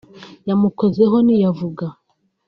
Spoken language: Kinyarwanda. yamukozeho ntiyavuga